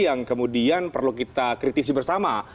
yang kemudian perlu kita kritisi bersama